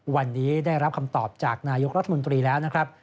วันนี้ได้รับคำตอบจากนายกรัฐมนตรีแล้วนะครับ